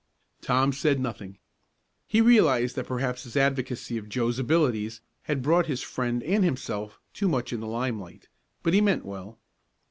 Tom said nothing. He realized that perhaps his advocacy of Joe's abilities had brought his friend and himself too much in the limelight. But he meant well.